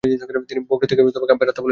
তিনি বক্রোক্তিকে কাব্যের আত্মা বলেছেন।